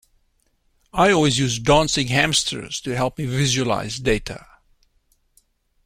I always use dancing hamsters to help me visualise data.